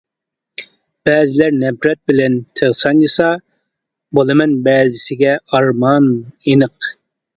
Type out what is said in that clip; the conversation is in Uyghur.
بەزىلەر نەپرەت بىلەن تىغ سانجىسا، بولىمەن بەزىسىگە ئارمان ئېنىق.